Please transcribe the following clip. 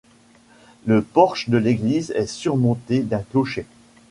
Le porche de l'église est surmonté d'un clocher.